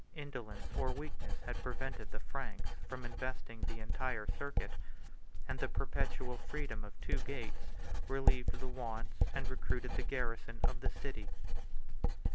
Indolence or weakness had prevented the Franks from investing the entire circuit; and the perpetual freedom of two gates relieved the wants and recruited the garrison of the city.